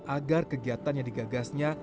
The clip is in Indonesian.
agar kegiatan yang digagasnya